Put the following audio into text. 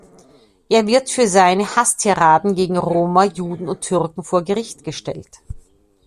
Er wird für seine Hasstiraden gegen Roma, Juden und Türken vor Gericht gestellt.